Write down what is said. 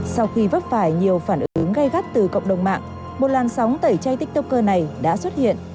sau khi vấp phải nhiều phản ứng gây gắt từ cộng đồng mạng một làn sóng tẩy chay tiktoker này đã xuất hiện